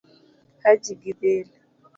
Haji gi dhil